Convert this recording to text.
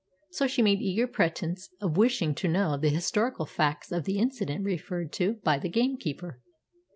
So she made eager pretence of wishing to know the historical facts of the incident referred to by the gamekeeper.